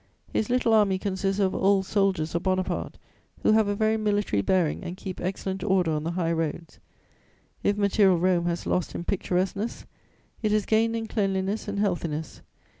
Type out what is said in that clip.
His little army consists of old soldiers of Bonaparte, who have a very military bearing and keep excellent order on the high roads. If material Rome has lost in picturesqueness, it has gained in cleanliness and healthiness.